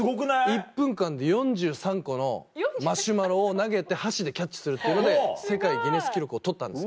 １分間で４３個のマシュマロを投げて箸でキャッチするっていうので世界ギネス記録を取ったんです。